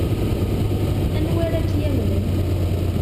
Anwa ara k-yamnen?